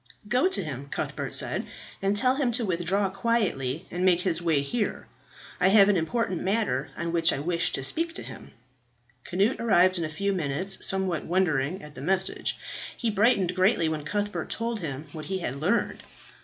"Go to him," Cuthbert said, "and tell him to withdraw quietly and make his way here. I have an important matter on which I wish to speak to him,'" Cnut arrived in a few minutes, somewhat wondering at the message. He brightened greatly when Cuthbert told him what he had learned.